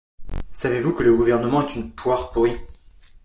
Savez-vous que le gouvernement est une poire pourrie?